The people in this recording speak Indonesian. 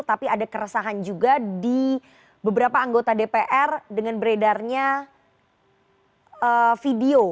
tapi ada keresahan juga di beberapa anggota dpr dengan beredarnya video